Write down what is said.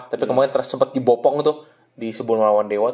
tapi kemarin terus sempet dibopong tuh di sebelum lawan dewa